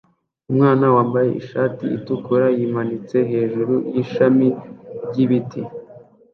umwana wambaye ishati itukura yimanitse hejuru yishami ryibiti